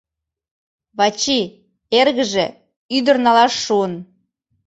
Вачи, эргыже, ӱдыр налаш шуын.